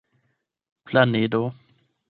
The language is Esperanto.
planedo